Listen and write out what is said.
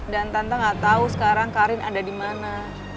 dan tante enggak tahu sekarang karin ada di mana